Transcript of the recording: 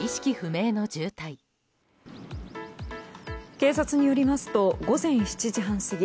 警察によりますと午前７時半過ぎ